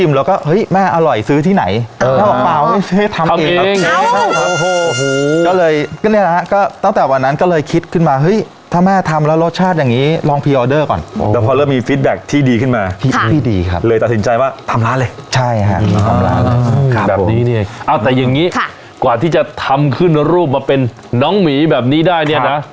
แบบนี้เนี้ยอ้าวแต่อย่างงี้ค่ะกว่าที่จะทำขึ้นรูปมาเป็นน้องหมีแบบนี้ได้เนี้ยนะ